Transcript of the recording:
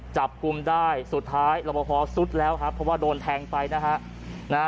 จับกลุ่มได้สุดท้ายรบพอสุดแล้วครับเพราะว่าโดนแทงไปนะฮะ